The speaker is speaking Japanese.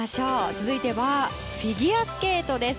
続いてはフィギュアスケートです。